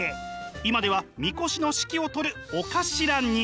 今ではみこしの指揮を執るお頭に。